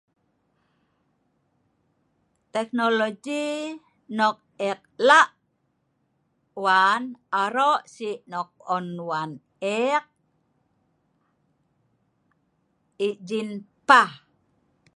Tekonoloji nok eek la' wan aro si' nok on waen eek ijin pah.